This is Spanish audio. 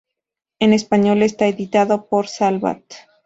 En español está editado por Salvat.